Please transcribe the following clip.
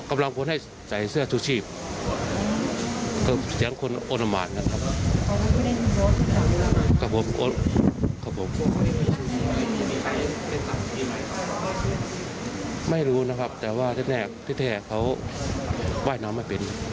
ไม่รู้ครับแต่ว่าที่แท้เขาห์ว่าว่าน้องไม่เป็น